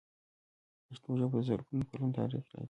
پښتو ژبه د زرګونو کلونو تاریخ لري.